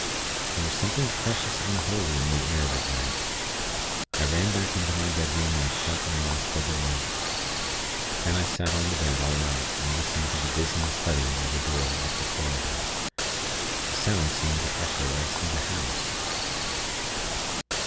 There was something precious unholy in the air that night. I ran back into my bedroom, and shut and locked the door. Then I sat on the bed all night, and listened to the dismal thudding of a door up the corridor. The sound seemed to echo through all the house.